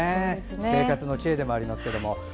生活の知恵でもありますけど。